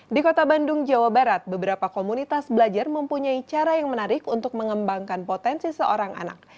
di kota bandung jawa barat beberapa komunitas belajar mempunyai cara yang menarik untuk mengembangkan potensi seorang anak